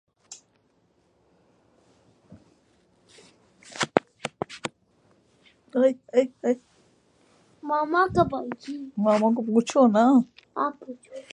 پی S L کے final میں showbiz sports stars کے جلوے